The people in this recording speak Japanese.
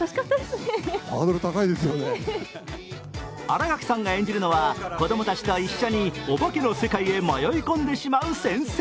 新垣さんが演じるのは子どもたちと一緒におばけの世界へ迷い込んでしまう先生。